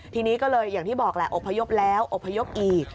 ทีนี้ก็เลยอย่างที่บอกแหละอบพยพแล้วอบพยพอีก